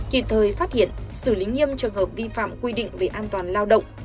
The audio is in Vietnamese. kịp thời phát hiện xử lý nghiêm trường hợp vi phạm quy định về an toàn lao động